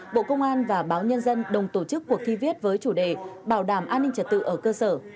bộ công an và báo nhân dân đồng tổ chức cuộc thi viết với chủ đề bảo đảm an ninh trật tự ở cơ sở